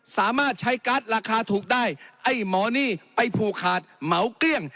สามารถใช้การ์ดราคาถูกได้ไอ้หมอนี่ไปผูกขาดเหมาเกลี้ยง